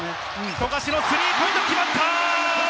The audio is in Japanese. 富樫のスリーポイント、決まった！